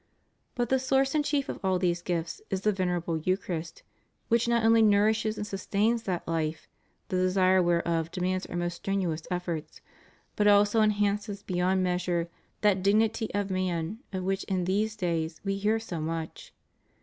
But the source and chief of all these gifts is the venerable Eucharist, which not only nourishes and sustains that life the desire whereof demands our most strenuous efforts, but also enhances beyond measure that dignity of man of which in these days we hear so much.